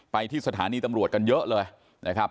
ที่สถานีตำรวจกันเยอะเลยนะครับ